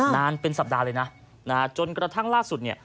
นานเป็นสัปดาห์เลยนะจนกระทั่งล่าสุดเนี่ย